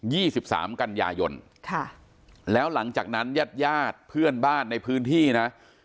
สิบสามกันยายนค่ะแล้วหลังจากนั้นญาติญาติเพื่อนบ้านในพื้นที่นะ